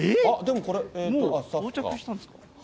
もう到着したんですか？